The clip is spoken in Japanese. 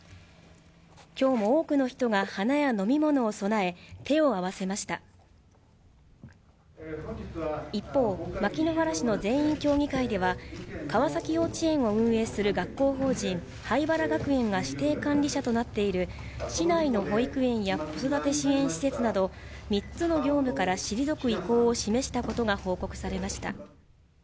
今日も多くの人が花や飲み物を供え手を合わせました一方、牧之原市の全員協議会では川崎幼稚園を運営する学校法人榛原学園が指定管理者となっている市内の保育園や子育て支援施設など３つの業務から退く意向を示したことが報告されました